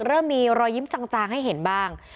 เริ่มมีรอยยิ้มจางให้เห็นบ้าง